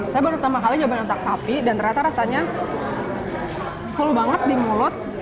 saya baru pertama kali nyobain otak sapi dan ternyata rasanya full banget di mulut